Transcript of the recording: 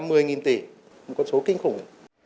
một con số kinh khủng